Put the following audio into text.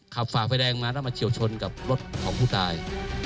ฝ่าไฟแดงมาแล้วมาเฉียวชนกับรถของผู้ตาย